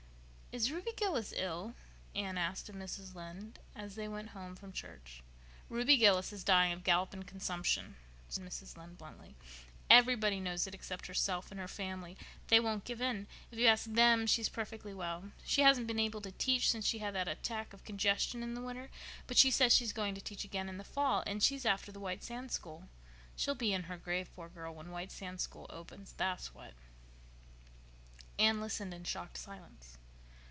"Is Ruby Gillis ill?" Anne asked of Mrs. Lynde, as they went home from church. "Ruby Gillis is dying of galloping consumption," said Mrs. Lynde bluntly. "Everybody knows it except herself and her family. They won't give in. If you ask them, she's perfectly well. She hasn't been able to teach since she had that attack of congestion in the winter, but she says she's going to teach again in the fall, and she's after the White Sands school. She'll be in her grave, poor girl, when White Sands school opens, that's what." Anne listened in shocked silence.